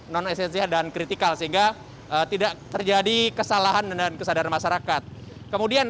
non esensial dan kritikal sehingga tidak terjadi kesalahan dan kesadaran masyarakat kemudian